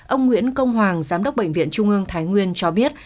ông nguyễn công hoàng giám đốc bệnh viện trung ương thái nguyên cho biết